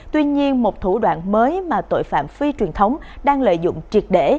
tuy nhiên một thủ đoạn mới mà tội phạm phi truyền thống đang lợi dụng triệt để